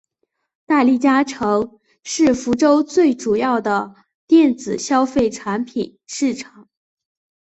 大利嘉城是福州最主要的电子消费产品市场。